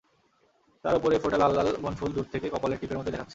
তার ওপরে ফোটা লাল লাল বনফুল দুর থেকে কপালের টিপের মতোই দেখাচ্ছে।